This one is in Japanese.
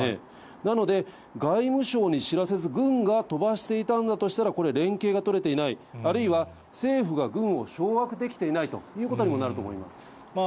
なので、外務省に知らせず、軍が飛ばしていたんだとしたら、これ、連携が取れていない、あるいは、政府が軍を掌握できていないということにもなると思います。